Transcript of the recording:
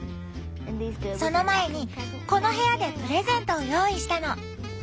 その前にこの部屋でプレゼントを用意したの。